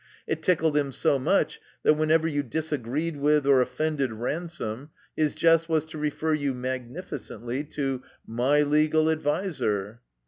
It tickled him so much that whenever you disagreed with or offended Ransome his jest was to refer you, magnificently, to "my legal adviser."